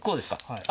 はい。